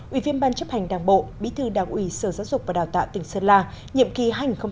ủy viên ban chấp hành đảng bộ bí thư đảng ủy sở giáo dục và đào tạo tỉnh sơn la nhiệm kỳ hai nghìn một mươi năm hai nghìn hai mươi